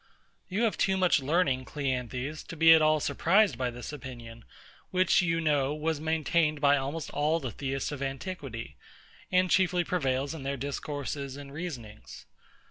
You have too much learning, CLEANTHES, to be at all surprised at this opinion, which, you know, was maintained by almost all the Theists of antiquity, and chiefly prevails in their discourses and reasonings.